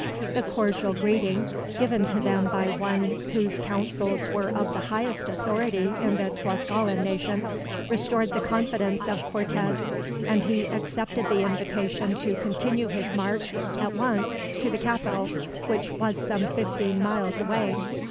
The cordial greeting, given to them by one whose counsels were of the highest authority in the Tlascalan nation, restored the confidence of Cortez; and he accepted the invitation to continue his march, at once, to the capital, which was some fifteen miles away.